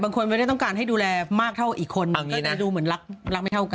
คนไม่ได้ต้องการให้ดูแลมากเท่าอีกคนบางทีดูเหมือนรักไม่เท่ากัน